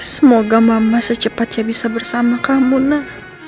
semoga mama secepatnya bisa bersama kamu nak